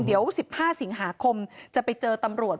เดี๋ยว๑๕สิงหาคมจะไปเจอตำรวจ